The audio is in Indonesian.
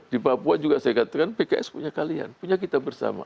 di papua juga saya katakan pks punya kalian punya kita bersama